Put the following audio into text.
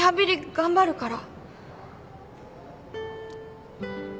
頑張るから。